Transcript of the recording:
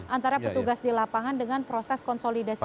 antara petugas di lapangan dengan proses konsolidasi